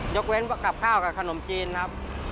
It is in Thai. ยกเว้นกับข้าวกับขนมจีนครับ